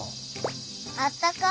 あったかい。